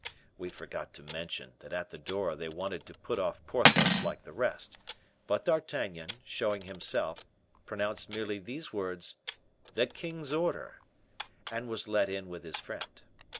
(We forgot to mention that at the door they wanted to put off Porthos like the rest, but D'Artagnan, showing himself, pronounced merely these words, "The king's order," and was let in with his friend.)